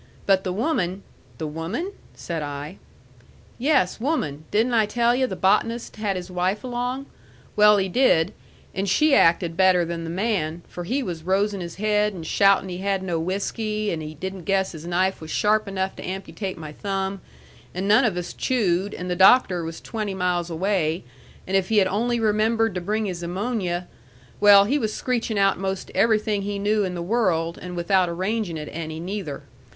But the woman " "The woman?" said I. "Yes, woman. Didn't I tell yu' the botanist had his wife along? Well, he did. And she acted better than the man, for he was losin' his head, and shoutin' he had no whiskey, and he didn't guess his knife was sharp enough to amputate my thumb, and none of us chewed, and the doctor was twenty miles away, and if he had only remembered to bring his ammonia well, he was screeching out 'most everything he knew in the world, and without arranging it any, neither.